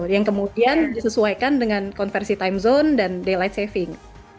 yang kemudian disesuaikan dengan konversi time zone dan day light saving